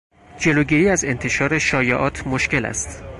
جلوگیری از انتشار شایعات مشکل است.